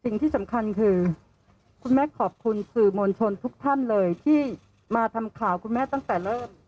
สิ่งที่สำคัญคือคุณแม่ขอบคุณสื่อมวลชนทุกท่านเลยที่มาทำข่าวคุณแม่ตั้งแต่เริ่ม